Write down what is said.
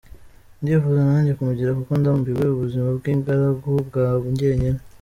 Ndifuza nanjye kumugira kuko ndambiwe ubuzima bw’ingaragu bwa njyenyine".